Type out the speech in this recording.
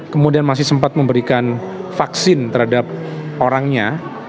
kemudian masih sempat memberikan vaksin terhadap orangnya